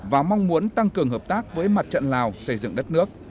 và mong muốn tăng cường hợp tác với mặt trận lào xây dựng đất nước